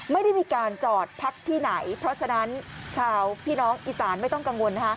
ไม่ได้มีการจอดพักที่ไหนเพราะฉะนั้นชาวพี่น้องอีสานไม่ต้องกังวล